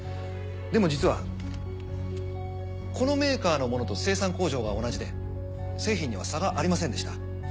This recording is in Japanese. でも実はこのメーカーのものと生産工場が同じで製品には差がありませんでした。